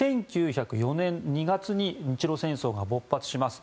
１９０４年２月に日露戦争が勃発します。